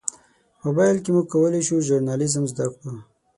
موبایل کې موږ کولی شو ژورنالیزم زده کړو.